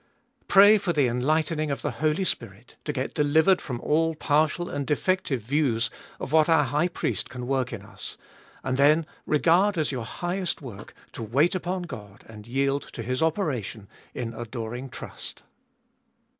Pray for the enlightening of the Holy Spirit, to get delivered from all partial and defective views of what our High Priest can work in us, and then regard as your highest work, to wait upon God and yield to His operation in adoring trust.